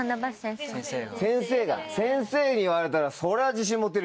先生が先生に言われたらそりゃ自信持てるよね。